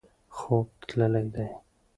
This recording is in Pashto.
خوب تللی دی.